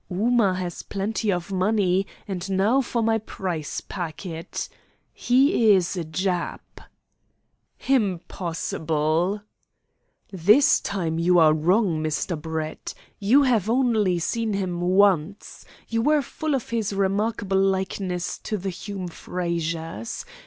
"Ooma has plenty of money, and now for my prize packet he is a Jap!" "Impossible!" "This time you are wrong, Mr. Brett. You have only seen him once. You were full of his remarkable likeness to the Hume Frazers.